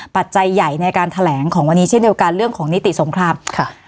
ปัจจัยใหญ่ในการแถลงของวันนี้เช่นเดียวกันเรื่องของนิติสงครามค่ะ